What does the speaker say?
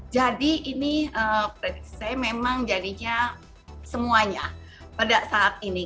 jadi ini prediksi saya memang jadinya semuanya pada saat ini